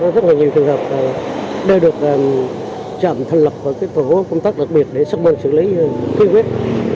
rất là nhiều trường hợp đã được trạm thành lập vào cái phố công tác đặc biệt để xác minh xử lý khí huyết